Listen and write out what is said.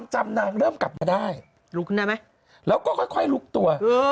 หลายลิ้นมันพูดคุยได้